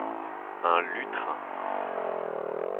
Un lutrin.